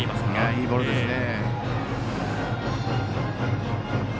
いいボールですね。